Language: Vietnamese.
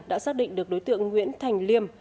đã xác định được đối tượng nguyễn thành liêm